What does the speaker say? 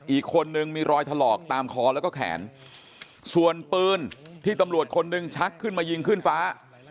อีกคนนึงมีรอยถลอกตามคอแล้วก็แขนส่วนปืนที่ตำรวจคนหนึ่งชักขึ้นมายิงขึ้นฟ้า